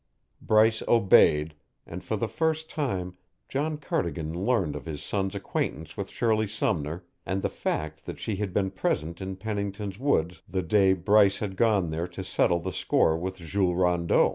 Bryce obeyed, and for the first time John Cardigan learned of his son's acquaintance with Shirley Sumner and the fact that she had been present in Pennington's woods the day Bryce had gone there to settle the score with Jules Rondeau.